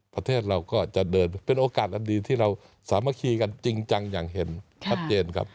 ประเทศเราก็จะเดินเป็นโอกาสอันดีที่เราสามัคคีกันจริงจังอย่างเห็นชัดเจนครับ